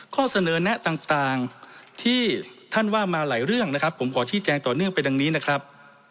ข้อเสนอแนะต่างที่ท่านว่ามาหลายเรื่องนะครับผมขอชี้แจงต่อเนื่องไปดังนี้นะครับ